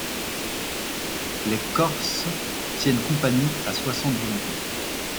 Les corses tiennent compagnie à soixante volontés.